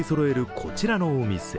こちらのお店。